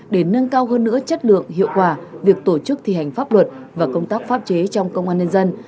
để nâng cao hơn nữa chất lượng hiệu quả việc tổ chức thi hành pháp luật và công tác pháp chế trong công an nhân dân